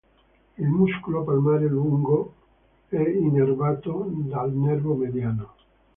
Il muscolo palmare lungo è innervato dal nervo mediano.